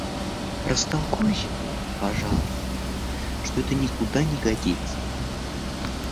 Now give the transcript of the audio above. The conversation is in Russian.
Растолкуй ему, пожалуйста, что это никуда не годится.